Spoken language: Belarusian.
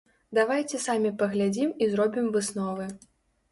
Давайце самі паглядзім і зробім высновы.